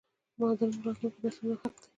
معادن مو راتلونکو نسلونو حق دی!!